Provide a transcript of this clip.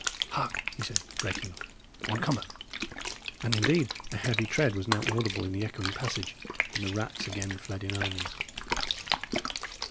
Hark!" he said, breaking off "one cometh." And indeed a heavy tread was now audible in the echoing passage, and the rats again fled in armies.